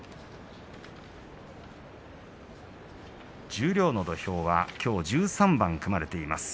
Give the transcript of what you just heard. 十両の土俵はきょう１３番組まれています。